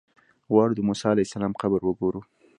غواړو د موسی علیه السلام قبر وګورو.